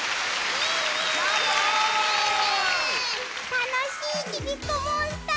たのしいちびっこモンスター。